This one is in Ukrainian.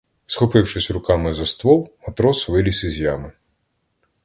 Схопившись руками за ствол, матрос виліз із ями.